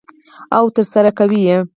او ترسره کوي یې.